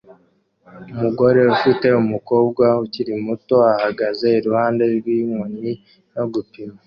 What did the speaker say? Umugore ufite umukobwa ukiri muto ahagaze iruhande rwinkoni yo gupima